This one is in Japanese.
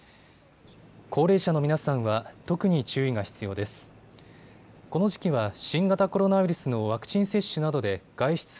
高齢者の皆さんは特に注意が必要です。